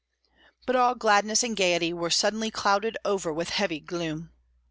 But all gladness and gaiety were suddenly clouded over with heavy gloom.